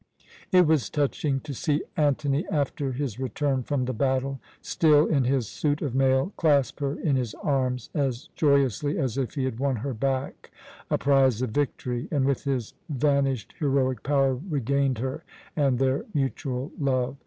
It was touching to see Antony after his return from the battle, still in his suit of mail, clasp her in his arms as joyously as if he had won her back, a prize of victory, and with his vanished heroic power regained her and their mutual love.